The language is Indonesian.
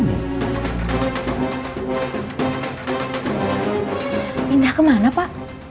pindah kemana pak